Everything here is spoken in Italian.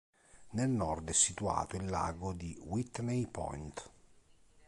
Nel nord è situato il lago di Whitney Point.